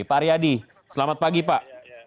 pak aryadi selamat pagi pak